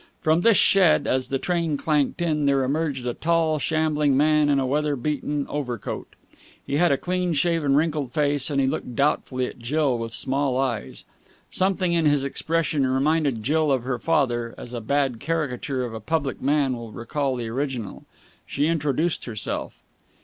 From this shed, as the train clanked in, there emerged a tall, shambling man in a weather beaten overcoat. He had a clean shaven, wrinkled face, and he looked doubtfully at Jill with small eyes. Something in his expression reminded Jill of her father, as a bad caricature of a public man will recall the original. She introduced herself.